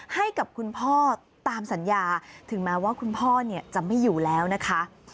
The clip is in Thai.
ให้กับคุณพ่อตามสัญญาถึงแม้ว่าคุณพ่อเนี่ยจะไม่อยู่แล้วนะคะ